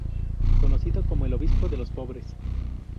Conocido como el obispo de los pobres.